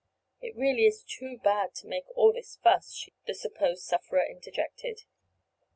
"It really is too bad to make all this fuss," the supposed sufferer interjected.